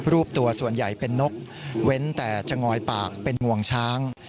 รูปตัวส่วนใหญ่เป็นนกเว้นแต่จะงอยปากเป็นงวงช้าง